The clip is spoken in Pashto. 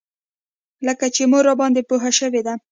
لکه چې مور راباندې پوه شوې ده.